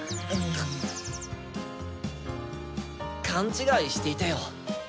勘違いしていたよ。